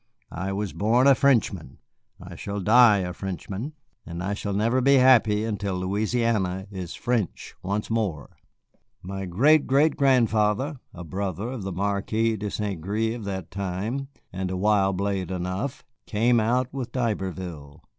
I was born a Frenchman, I shall die a Frenchman, and I shall never be happy until Louisiana is French once more. My great grandfather, a brother of the Marquis de St. Gré of that time, and a wild blade enough, came out with D'Iberville.